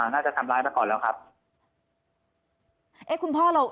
น่าจะทำร้ายมาก่อนแล้วครับ